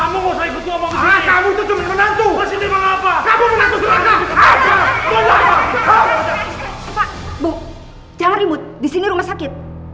kamu nggak usah ikut gue ngomong begini